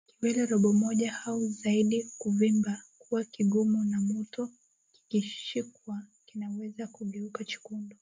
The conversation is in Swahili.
Kiwele robo moja au zaidi kuvimba kuwa kigumu na moto kikishikwa kinaweza kugeuka chekundu